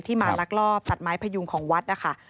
มาลักลอบตัดไม้พยุงของวัดนะคะ